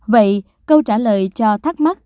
vậy câu trả lời cho thắc mắc